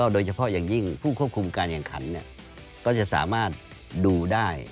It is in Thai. โดยเฉพาะอย่างยิ่งผู้ควบคุมการแข่งขันก็จะสามารถดูได้